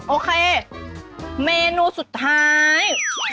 โอเคเมนูสุดท้าย